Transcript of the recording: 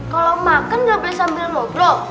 kalau makan nggak boleh sambil ngobrol